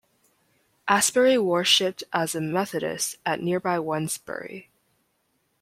Asbury worshipped as a Methodist at nearby Wednesbury.